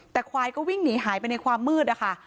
แต่ควายก็วิ่งหนีหายไปในความมืดนะคะ